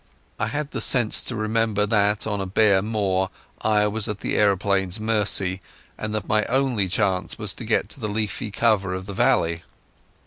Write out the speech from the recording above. I had the sense to remember that on a bare moor I was at the aeroplane's mercy, and that my only chance was to get to the leafy cover of the valley.